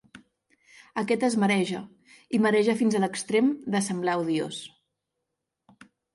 Aquest es mareja i mareja fins a l'extrem de semblar odiós.